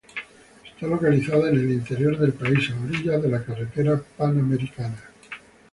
Está localizada en el interior del país a orillas de la carretera Panamericana.